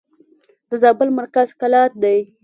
د زابل مرکز قلات دئ.